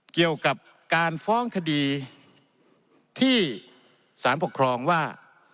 เกี่ยวกับการฟ้องคดีที่สารปกครองว่า